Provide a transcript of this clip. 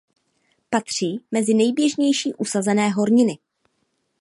Patří mezi nejběžnější usazené horniny.